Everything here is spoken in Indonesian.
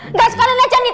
nggak sekalin aja nih